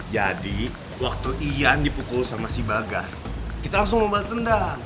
jadi waktu ian dipukul sama si bagas kita langsung mau balas tendang